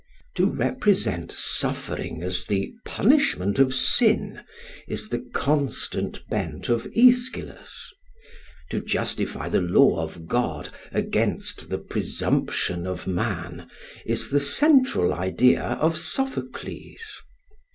To represent suffering as the punishment of sin is the constant bent of Aeschylus; to justify the law of God against the presumption of man is the central idea of Sophocles.